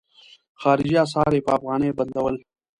خارجي اسعار یې په افغانیو بدلول.